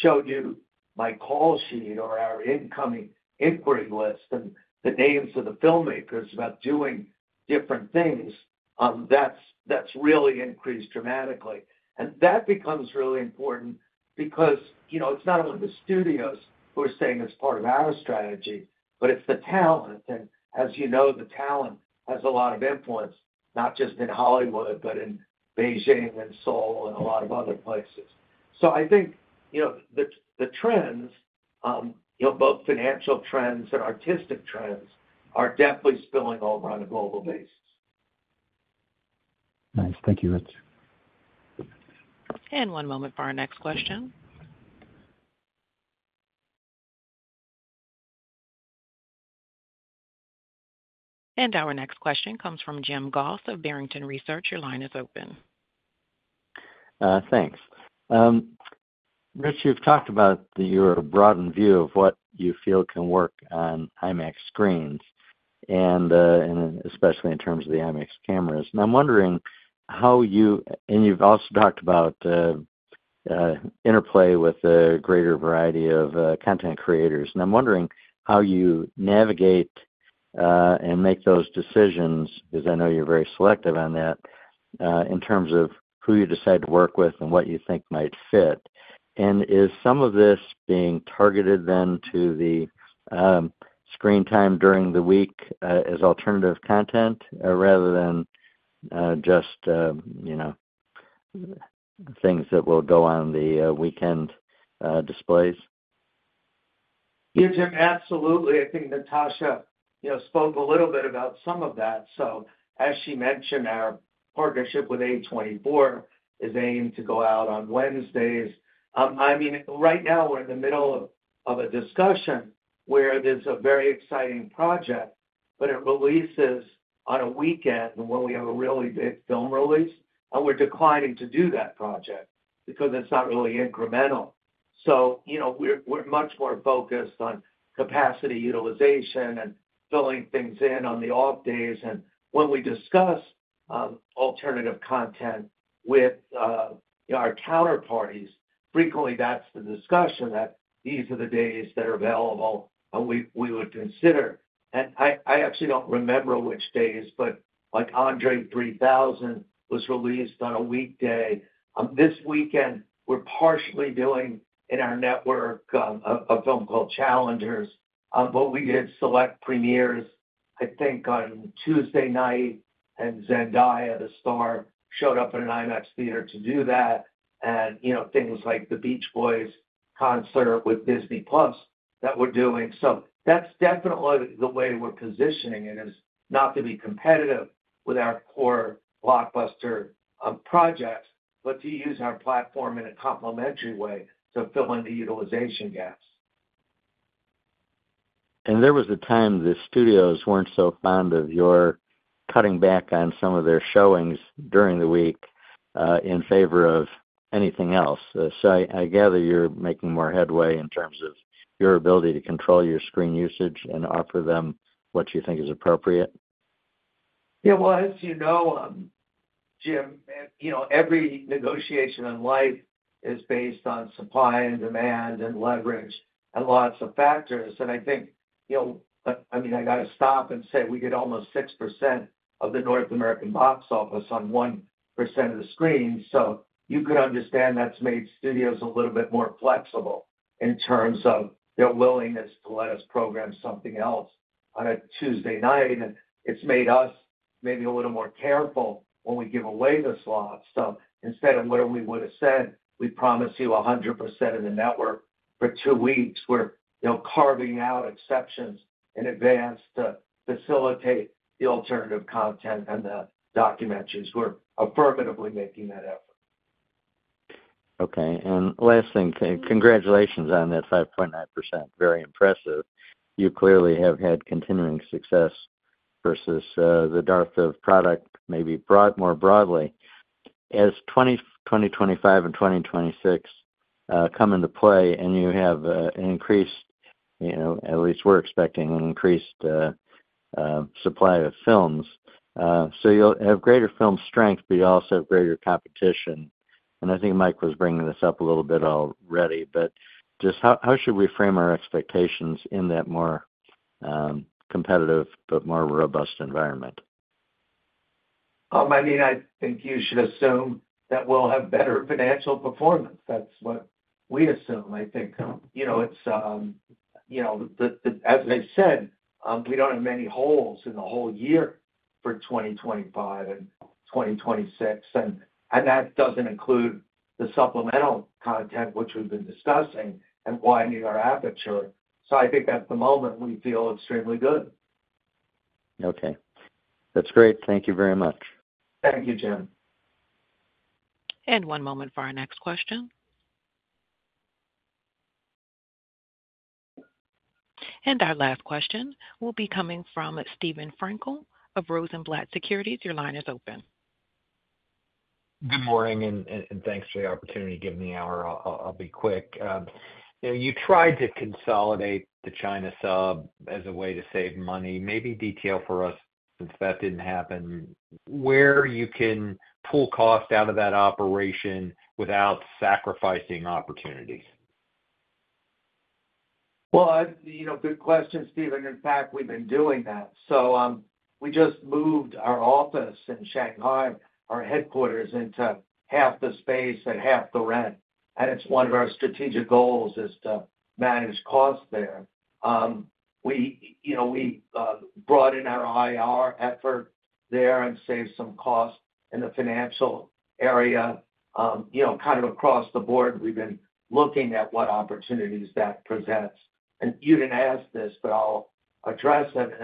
showed you my call sheet or our incoming inquiry list and the names of the filmmakers about doing different things, that's, that's really increased dramatically. And that becomes really important because, you know, it's not only the studios who are saying it's part of our strategy, but it's the talent. And as you know, the talent has a lot of influence, not just in Hollywood, but in Beijing and Seoul and a lot of other places. So I think, you know, the trends, you know, both financial trends and artistic trends, are definitely spilling over on a global basis. Nice. Thank you, Rich. One moment for our next question. Our next question comes from Jim Goss of Barrington Research. Your line is open. Thanks. Rich, you've talked about your broadened view of what you feel can work on IMAX screens, and, and especially in terms of the IMAX cameras. And I'm wondering how you... And you've also talked about, interplay with a greater variety of, content creators, and I'm wondering how you navigate, and make those decisions, because I know you're very selective on that, in terms of who you decide to work with and what you think might fit. And is some of this being targeted then to the, screen time during the week, as alternative content, rather than, just, you know, things that will go on the, weekend, displays? Yeah, Jim, absolutely. I think Natasha, you know, spoke a little bit about some of that. So, as she mentioned, our partnership with A24 is aimed to go out on Wednesdays. I mean, right now, we're in the middle of a discussion where there's a very exciting project, but it releases on a weekend when we have a really big film release, and we're declining to do that project because it's not really incremental. So, you know, we're much more focused on capacity utilization and filling things in on the off days. And when we discuss alternative content with our counterparties, frequently that's the discussion, that these are the days that are available, and we would consider. And I actually don't remember which days, but, like, André 3000 was released on a weekday. This weekend, we're partially doing, in our network, a film called Challengers, but we did select premieres, I think, on Tuesday night, and Zendaya, the star, showed up at an IMAX theater to do that. And, you know, things like The Beach Boys concert with Disney+ that we're doing. So that's definitely the way we're positioning it, is not to be competitive with our core blockbuster projects, but to use our platform in a complementary way to fill in the utilization gaps. And there was a time the studios weren't so fond of your cutting back on some of their showings during the week in favor of anything else. So I gather you're making more headway in terms of your ability to control your screen usage and offer them what you think is appropriate? Yeah, well, as you know, Jim, you know, every negotiation in life is based on supply and demand and leverage and lots of factors. And I think, you know, I mean, I gotta stop and say we get almost 6% of the North American box office on 1% of the screen. So you could understand that's made studios a little bit more flexible in terms of their willingness to let us program something else on a Tuesday night. And it's made us maybe a little more careful when we give away the slots. So instead of what we would've said, we promise you 100% of the network for two weeks, we're, you know, carving out exceptions in advance to facilitate the alternative content and the documentaries. We're affirmatively making that effort. Okay, and last thing, congratulations on that 5.9%. Very impressive. You clearly have had continuing success versus the dearth of product, maybe broad, more broadly. As 2025 and 2026 come into play, and you have an increased, you know, at least we're expecting an increased supply of films. So you'll have greater film strength, but you also have greater competition. And I think Mike was bringing this up a little bit already, but just how should we frame our expectations in that more competitive but more robust environment? I mean, I think you should assume that we'll have better financial performance. That's what we assume. I think, you know, it's, you know, as I said, we don't have many holes in the whole year for 2025 and 2026, and that doesn't include the supplemental content, which we've been discussing, and widening our aperture. So I think at the moment, we feel extremely good. Okay. That's great. Thank you very much. Thank you, Jim. One moment for our next question. Our last question will be coming from Steve Frankel of Rosenblatt Securities. Your line is open. Good morning, and thanks for the opportunity to give me an hour. I'll be quick. You know, you tried to consolidate the China sub as a way to save money. Maybe detail for us, since that didn't happen, where you can pull cost out of that operation without sacrificing opportunities. Well, you know, good question, Steven. In fact, we've been doing that. So, we just moved our office in Shanghai, our headquarters, into half the space at half the rent, and it's one of our strategic goals is to manage costs there. We, you know, brought in our IR effort there and saved some costs in the financial area. You know, kind of across the board, we've been looking at what opportunities that presents. And you didn't ask this, but I'll address it,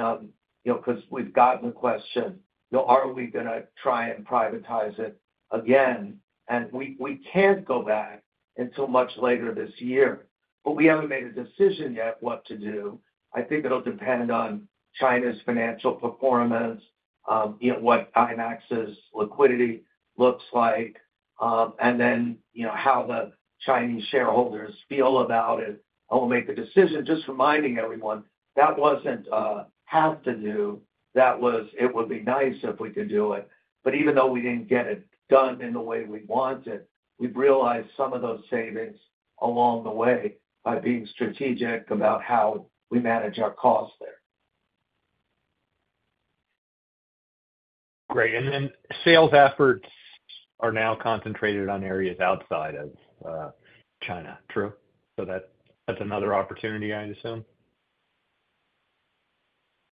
you know, 'cause we've gotten the question, you know, are we gonna try and privatize it again? And we can't go back until much later this year, but we haven't made a decision yet what to do. I think it'll depend on China's financial performance, you know, what IMAX's liquidity looks like, and then, you know, how the Chinese shareholders feel about it, and we'll make a decision. Just reminding everyone, that wasn't have to do. That was, it would be nice if we could do it. But even though we didn't get it done in the way we wanted, we've realized some of those savings along the way by being strategic about how we manage our costs there. Great. And then sales efforts are now concentrated on areas outside of China, true? So that's another opportunity, I assume.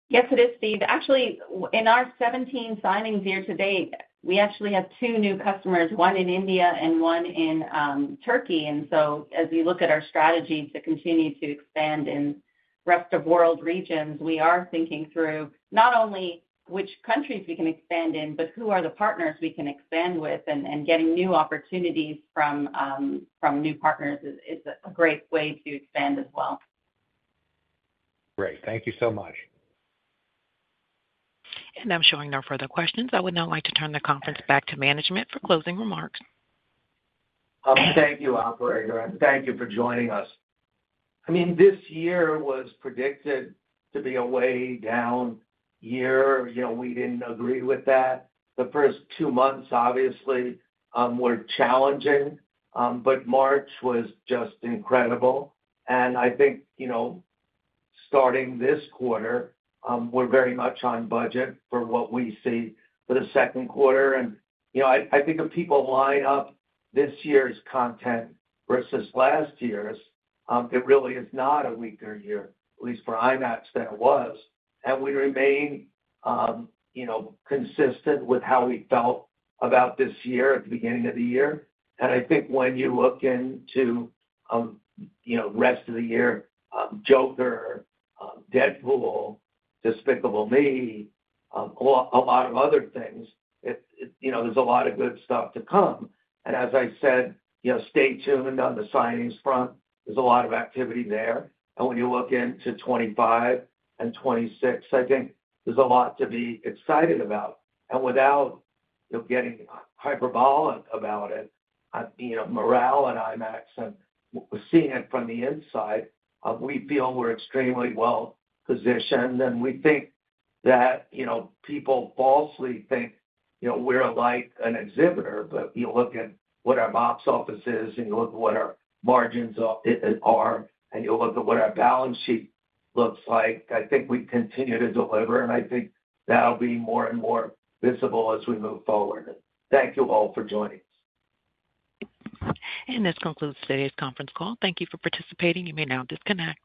Yes, it is, Steve. Actually, in our 17 signings year to date, we actually have two new customers, one in India and one in Turkey. And so as we look at our strategy to continue to expand in rest of world regions, we are thinking through not only which countries we can expand in, but who are the partners we can expand with, and getting new opportunities from new partners is a great way to expand as well. Great. Thank you so much. I'm showing no further questions. I would now like to turn the conference back to management for closing remarks. Thank you, operator, and thank you for joining us. I mean, this year was predicted to be a way down year. You know, we didn't agree with that. The first two months, obviously, were challenging, but March was just incredible. And I think, you know, starting this quarter, we're very much on budget for what we see for the second quarter. And, you know, I, I think if people line up this year's content versus last year's, it really is not a weaker year, at least for IMAX than it was. And we remain, you know, consistent with how we felt about this year at the beginning of the year. And I think when you look into, you know, rest of the year, Joker, Deadpool, Despicable Me, a lot of other things, it, you know, there's a lot of good stuff to come. And as I said, you know, stay tuned on the signings front. There's a lot of activity there. And when you look into 2025 and 2026, I think there's a lot to be excited about. And without, you know, getting hyperbolic about it, you know, morale at IMAX and seeing it from the inside, we feel we're extremely well-positioned, and we think that, you know, people falsely think, you know, we're like an exhibitor. But you look at what our box office is, and you look at what our margins are, and you look at what our balance sheet looks like. I think we continue to deliver, and I think that'll be more and more visible as we move forward. Thank you all for joining us. This concludes today's conference call. Thank you for participating. You may now disconnect.